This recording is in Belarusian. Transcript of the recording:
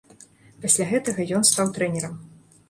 Пасля гэтага ён стаў трэнерам.